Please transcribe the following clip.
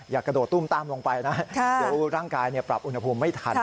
อย่ากระโดดตุ้มตั้มลงไปนะครับเดี๋ยวร่างกายปรับอุณหภูมิไม่ทันนะครับ